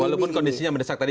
walaupun kondisinya mendesak tadi